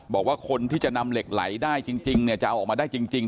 บอกว่าคนที่จะนำเหล็กไหลได้จริงเนี่ยจะเอาออกมาได้จริง